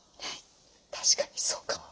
確かにそうかも。